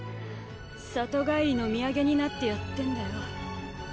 里帰りの土産になってやってんだよ。